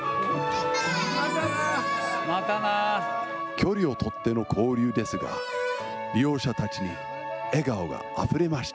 距離を取っての交流ですが、利用者たちに笑顔があふれました。